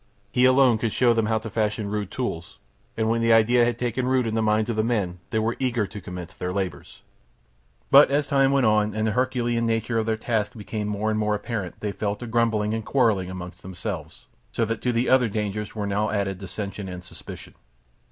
He alone could show them how to fashion rude tools, and when the idea had taken root in the minds of the men they were eager to commence their labours. But as time went on and the Herculean nature of their task became more and more apparent they fell to grumbling, and to quarrelling among themselves, so that to the other dangers were now added dissension and suspicion.